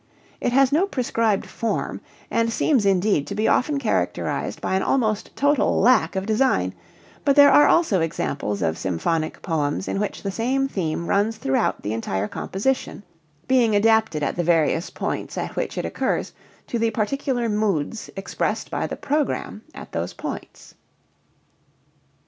It has no prescribed form and seems indeed to be often characterized by an almost total lack of design, but there are also examples of symphonic poems in which the same theme runs throughout the entire composition, being adapted at the various points at which it occurs to the particular moods expressed by the program at those points.